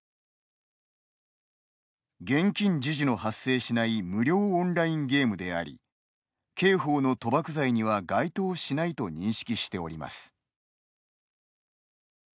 「現金授受の発生しない無料オンラインゲームであり刑法の賭博罪には該当しないと認識しております」